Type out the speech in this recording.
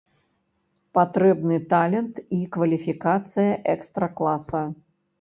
Патрэбны талент і кваліфікацыя экстра-класа.